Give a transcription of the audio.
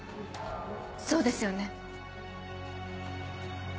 そうですよね？